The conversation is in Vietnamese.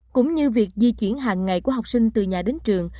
cũng như việc di chuyển hàng ngày của học sinh từ nhà đến trường